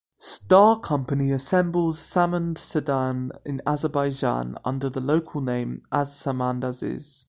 Star company assembles Samand sedan in Azerbaijan under the local name AzSamand Aziz.